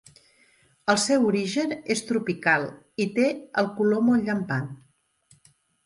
El seu origen és tropical i té el color molt llampant.